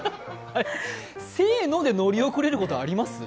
「せーの」で乗り遅れること、あります？